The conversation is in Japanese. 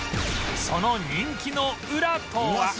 その人気のウラとは？